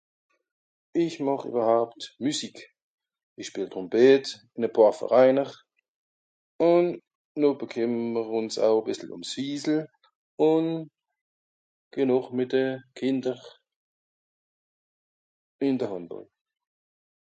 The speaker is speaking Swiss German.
Ìch màch ìwwerhaapt Müsik. Ìch spìel Trompette, ìn e pààr Vereiner. Ùn noh bekìmmer ùns aue bìssel ùm's (...). Ùn geh nochmiddoe, d'Kìnder ìn d'r Hàndbàll.